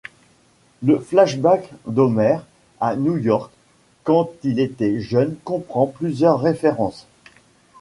Le flashback d'Homer à New York quand il était jeune comprend plusieurs références.